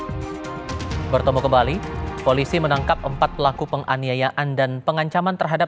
hai bertemu kembali polisi menangkap empat pelaku penganiayaan dan pengancaman terhadap